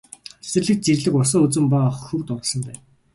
Цэцэрлэгт зэрлэг усан үзэм ба хөвд ургасан байв.